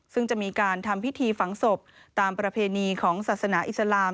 ซึ่งจะมีการทำพิธีฝังศพตามประเพณีของศาสนาอิสลาม